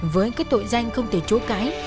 với cái tội danh không thể chúa cãi